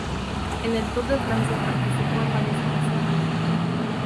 En el Tour de Francia participó en varias ocasiones.